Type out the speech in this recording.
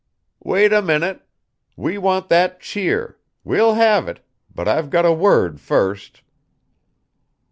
"Wait a minute. We want that cheer; we'll have it; but I've got a word first.